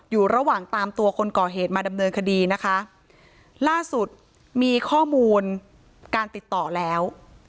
อยู่ระหว่างตามตัวคนก่อเหตุมาดำเนินคดีนะคะล่าสุดมีข้อมูลการติดต่อแล้ว